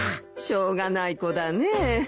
しょうがない子だね。